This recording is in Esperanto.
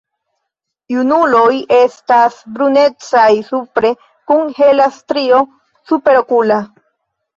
Junuloj estas brunecaj supre kun hela strio superokula.